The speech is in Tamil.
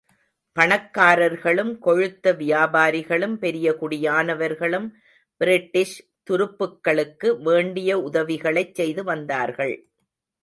பணக்காரர்களும், கொழுத்த வியாபாரிகளும் பெரிய குடியானவர்களும் பிரிட்டிஷ் துருப்புக்களுக்கு வேண்டிய உதவிகளைச் செய்து வந்தார்கள்.